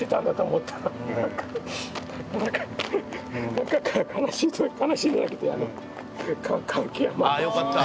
何か悲しい悲しいじゃなくてあよかった。